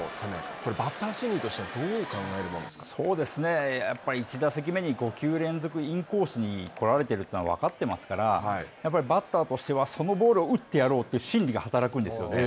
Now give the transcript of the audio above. これバッター心理としては、やっぱり１打席目に５球連続、インコースに来られてるというのは、分かっていますから、やっぱりバッターとしては、そのボールを打ってやろうという心理が働くんですよね。